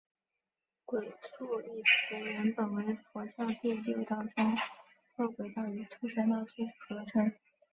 鬼畜一词原本为佛教对六道中饿鬼道与畜生道之合称。